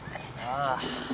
ああ。